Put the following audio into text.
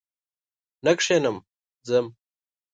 نه کښېنم ځم!